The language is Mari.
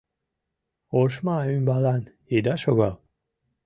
Ошма ӱмбалан ида шогал